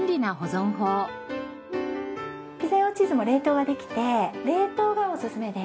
ピザ用チーズも冷凍ができて冷凍がおすすめです。